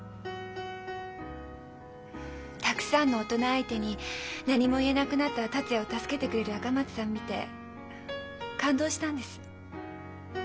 たくさんの大人相手に何も言えなくなった達也を助けてくれる赤松さんを見て感動したんです。